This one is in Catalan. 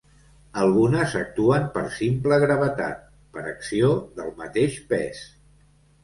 Algunes actuen per simple gravetat, per acció del mateix pes.